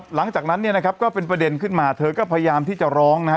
หลังจากนั้นเนี่ยนะครับก็เป็นประเด็นขึ้นมาเธอก็พยายามที่จะร้องนะฮะ